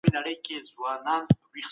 شتمن خلګ باید د غریبانو خیال وساتي.